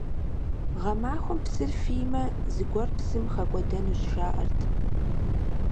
Гъэмахуэм псыр фиймэ, зыгуэр псым хэкӀуэдэнущ, жаӀэрт.